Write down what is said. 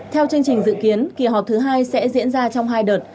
theo chương trình dự kiến kỳ họp thứ hai sẽ diễn ra trong hai đợt